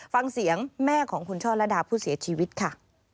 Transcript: ฟังเสียงแม่ของคุณช่อระดาผู้เสียชีวิตค่ะ